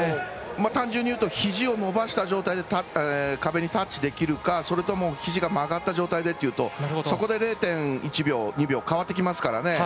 単純にいうとひじを伸ばした状態で壁にタッチできるか、それともひじが曲がった状態でというとそこで０．１秒、０．２秒変わってきますからね。